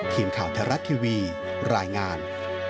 ทีมข่าวไทยรัฐทีวีรายงาน